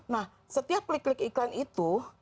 nah setiap klik klik iklan itu